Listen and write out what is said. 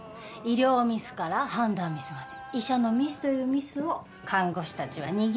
医療ミスから判断ミスまで医者のミスというミスを看護師たちは握ってるのよ。